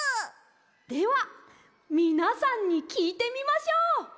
ではみなさんにきいてみましょう。